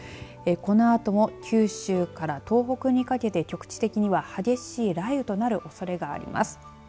このあとも九州から東北にかけて局地的には激しい雷雨となるおそれがあります。